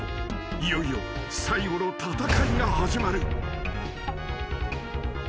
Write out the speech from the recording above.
［いよいよ最後の戦いが始まる］